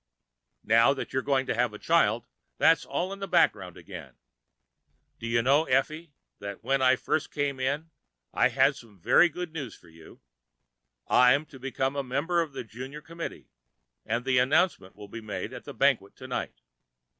"Now that you're going to have a child, that's all in the background again. Do you know, Effie, that when I first came in, I had some very good news for you? I'm to become a member of the Junior Committee and the announcement will be made at the banquet tonight."